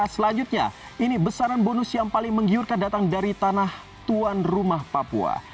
selanjutnya ini besaran bonus yang paling menggiurkan datang dari tanah tuan rumah papua